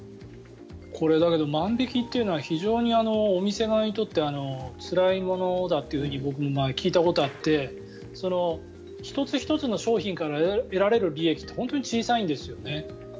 だけど万引きというのはお店側にとってつらいものだと僕、聞いたことがあって１つ１つの商品から得られる利益って本当に小さいんですよね。